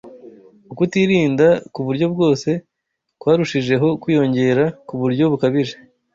Ukutirinda k’uburyo bwose kwarushijeho kwiyongera ku buryo bukabije.